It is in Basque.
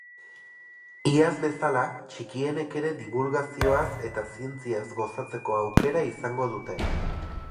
Iaz bezala, txikienek ere dibulgazioaz eta zientziaz gozatzeko aukera izango dute.